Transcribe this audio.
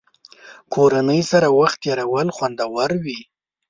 کورنۍ سره وخت تېرول خوندور وي.